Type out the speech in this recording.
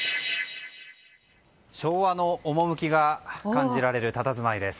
昭和の趣が感じられるたたずまいです。